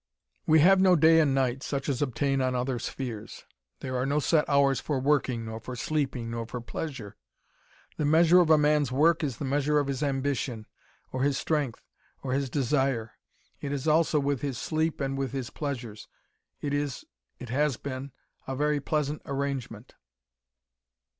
"We have no day and night, such as obtain on other spheres. There are no set hours for working nor for sleeping nor for pleasure. The measure of a man's work is the measure of his ambition, or his strength, or his desire. It is so also with his sleep and with his pleasures. It is it has been a very pleasant arrangement.